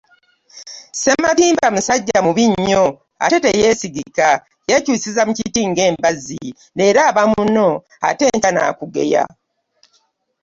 Ssematimba musajja mubi nnyo ate teyesigika, yekyusiza mu kitti nga mbazzi, lero aba munno ate enkya nakugeya.